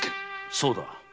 そうだ。